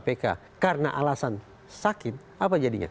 kpk karena alasan sakit apa jadinya